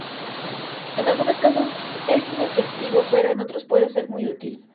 En algunos casos es inefectivo pero en otros puede ser muy útil.